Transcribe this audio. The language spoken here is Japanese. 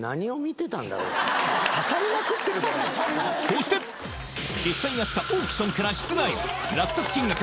そして実際にあったオークションから出題落札金額